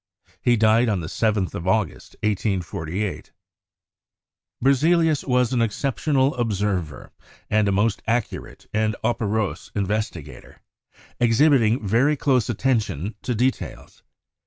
He died on the 7th of August, 1848. Berzelius was an exceptional observer, and a most ac curate and operose investigator, exhibiting very close at tention to details.